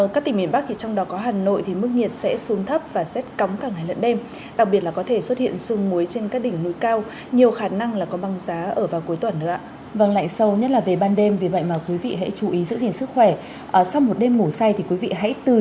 các bạn hãy đăng ký kênh để ủng hộ kênh của chúng mình nhé